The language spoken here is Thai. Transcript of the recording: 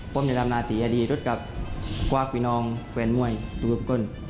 ผมจะดำนาสีอดีตรวจกับกว้างพี่น้องแฟนมวยสุภุปกล